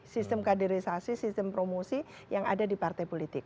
sistem kaderisasi sistem promosi yang ada di partai politik